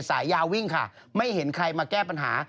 สายยาวิ่งค่ะไม่เห็นใครมาแก้ปัญหา